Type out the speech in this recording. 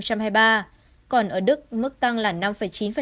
còn ở đức mức tăng là năm chín